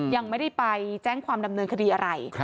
ยังไม่ได้ไปแจ้งความดำเนินคดีอะไร